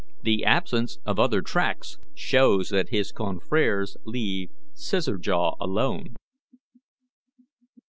The absence of other tracks shows that his confreres leave 'Scissor jaw' alone."